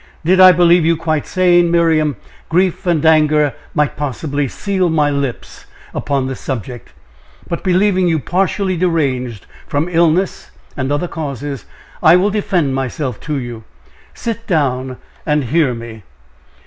Did I believe you quite sane, Miriam, grief and anger might possibly seal my lips upon this subject but believing you partially deranged from illness and other causes I will defend myself to you. Sit down and hear me."